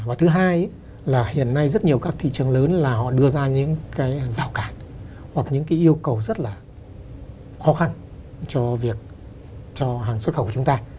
và thứ hai là hiện nay rất nhiều các thị trường lớn là họ đưa ra những cái rào cản hoặc những cái yêu cầu rất là khó khăn cho việc cho hàng xuất khẩu của chúng ta